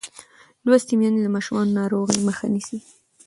لوستې میندې د ماشومانو د ناروغۍ مخه نیسي.